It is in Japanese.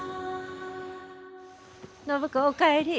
暢子お帰り。